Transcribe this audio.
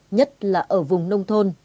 nhất là ở vùng nông thôn